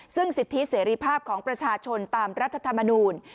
ซึ่งสิทธิเสรีภาพของประชาชนตามรัฐธรรมนูล